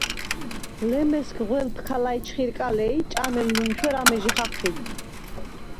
ლემესგ-ღველფ ქა ლაიჩხირკალე ი ჭამემ ლუნჩვერ ამეჟი ხაჴიდ.